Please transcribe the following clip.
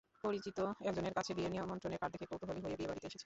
পরিচিত একজনের কাছে বিয়ের নিমন্ত্রণের কার্ড দেখে কৌতূহলী হয়েই বিয়েবাড়িতে এসেছি।